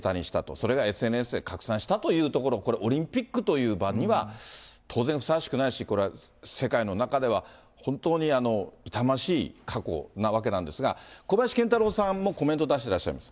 それがＳＮＳで拡散したというところ、これ、オリンピックという場には、当然、ふさわしくないし、これは世界の中では、本当に痛ましい過去なわけなんですが、小林賢太郎さんもコメントを出してらっしゃいます。